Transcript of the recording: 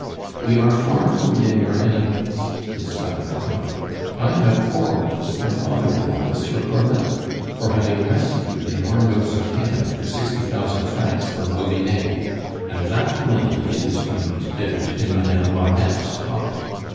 "We are far from being your enemies," his son went on. "I have quarreled with my father in law, Monsieur Crevel, for having rescued your notes of hand for sixty thousand francs from Vauvinet, and that money is, beyond doubt, in Madame Marneffe's pocket.